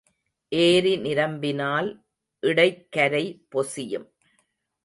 ஏரி நிரம்பினால் இடைக்கரை பொசியும்.